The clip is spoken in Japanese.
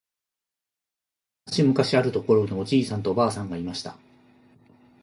むかしむかしあるところにおじいさんとおばあさんがいました。